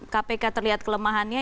kpk terlihat kelemahannya